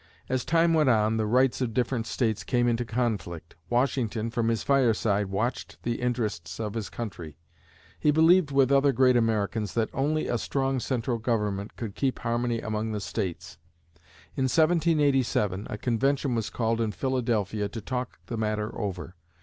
As time went on, the rights of different States came into conflict. Washington, from his fireside, watched the interests of his country. He believed with other great Americans that only a strong central government could keep harmony among the States. In 1787, a convention was called in Philadelphia to talk the matter over.